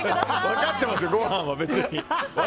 分かってますよ、ご飯は別に。